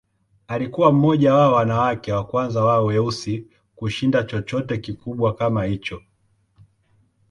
Alikuwa mmoja wa wanawake wa kwanza wa weusi kushinda chochote kikubwa kama hicho.